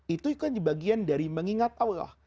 itu kan bagian dari mengingat allah